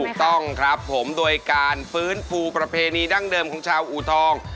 ถูกต้องครับผมโดยการฟื้นฟูประเพณีดั้งเดิมของชาวอูทอง